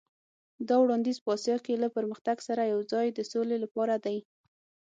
دا وړاندیز په اسیا کې له پرمختګ سره یو ځای د سولې لپاره دی.